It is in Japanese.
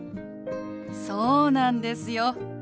そうなんですよ。